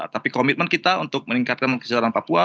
tapi komitmen kita untuk meningkatkan kesejahteraan papua